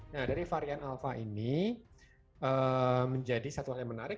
nah dari varian alpha ini menjadi satu hal yang menarik